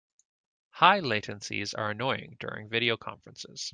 High latencies are annoying during video conferences.